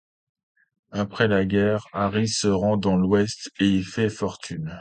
Après la guerre, Harry se rend dans l'Ouest et y fait fortune.